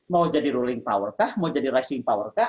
mau jadi ruling power kah mau jadi rising power kah